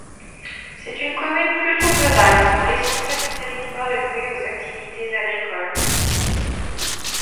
C'est une commune plutôt rurale, dont l'essentiel du territoire est voué aux activités agricoles.